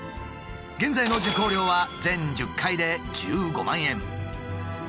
現在の受講料は全１０回で１５万円。